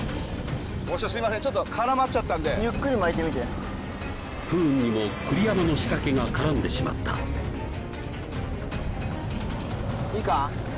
お師匠すいませんちょっと絡まっちゃったんでゆっくり巻いてみて不運にも栗山の仕掛けが絡んでしまったいいか？